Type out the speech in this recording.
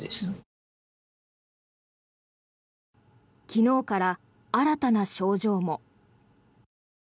昨日から新たな症状も。